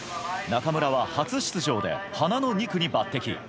中村は初出場で華の２区に抜擢。